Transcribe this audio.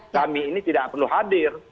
kami ini tidak perlu hadir